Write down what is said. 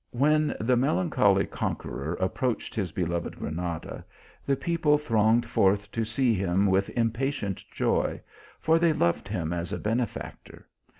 "* When the melancholy conqueror approached his beloved Granada, the people thronged forth to see him with impatient joy, for they loved him as a ben efactor.